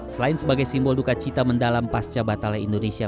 selain sebagai simbol duka cita mendalam pasca batalnya indonesia